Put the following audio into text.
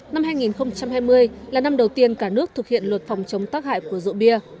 năm hai nghìn hai mươi là năm đầu tiên cả nước thực hiện luật phòng chống tác hại của rượu bia